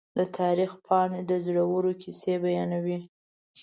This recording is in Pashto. د تاریخ پاڼې د زړورو کیسې بیانوي.